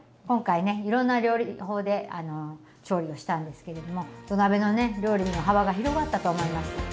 今回ねいろんな料理法で調理をしたんですけれども土鍋の料理の幅が広がったと思います。